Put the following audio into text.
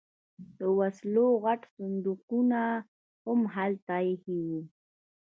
د وسلو غټ صندوقونه هم هلته ایښي وو